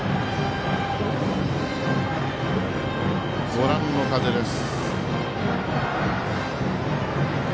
ご覧の風です。